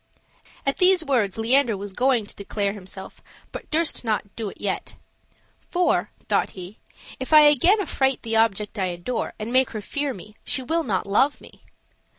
At these words Leander was going to declare himself, but durst not do it yet. "For," thought he, "if I again affright the object I adore and make her fear me, she will not love me."